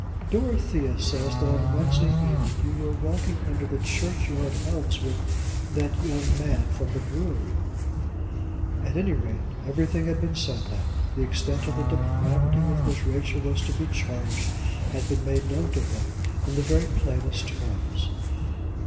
"Dorothea says that on Wednesday evening you were walking under the churchyard elms with that young man from the brewery." At any rate everything had been said now. The extent of the depravity with which Rachel was to be charged had been made known to her in the very plainest terms.